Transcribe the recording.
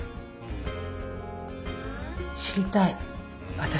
知りたい私。